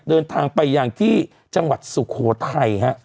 เดินทางไปยังที่จังหวัดสุโขทัยฮะ